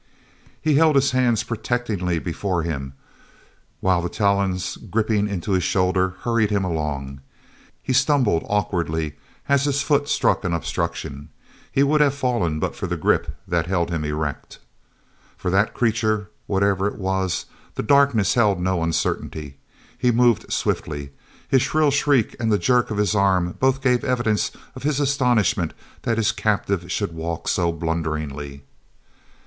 He held his hands protectingly before him while the talons gripping into his shoulder hurried him along. He stumbled awkwardly as his foot struck an obstruction. He would have fallen but for the grip that held him erect. For that creature, whatever it was, the darkness held no uncertainty. He moved swiftly. His shrill shriek and the jerk of his arm both gave evidence of his astonishment that his captive should walk so blunderingly.